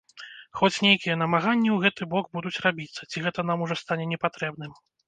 Хоць нейкія намаганні ў гэты бок будуць рабіцца, ці гэта нам ужо стане непатрэбным?